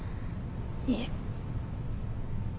いえ。